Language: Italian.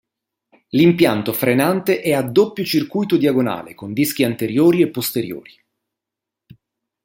L'impianto frenante è a doppio circuito diagonale con dischi anteriori e posteriori.